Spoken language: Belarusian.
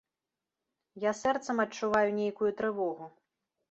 Я сэрцам адчуваю нейкую трывогу.